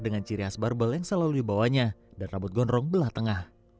dengan ciri khas barbel yang selalu dibawanya dan rambut gondrong belah tengah